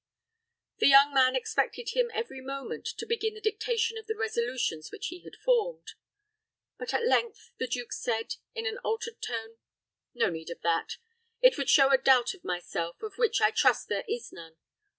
The young man expected him every moment to begin the dictation of the resolutions which he had formed; but at length the duke said, in an altered tone, "No need of that; it would show a doubt of myself, of which I trust there is none.